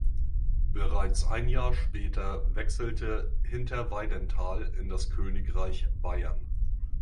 Bereits ein Jahr später wechselte Hinterweidenthal in das Königreich Bayern.